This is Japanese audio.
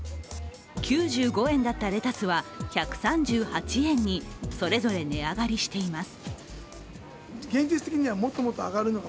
９５円だったレタスは１３８円にそれぞれ値上がりしています。